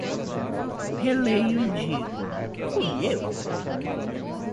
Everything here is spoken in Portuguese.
Releio e digo: "Fui eu?"